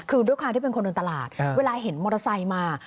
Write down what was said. คือด้วยความที่เป็นคนเดินตลาดเวลาเห็นมอเตอร์ไซค์มา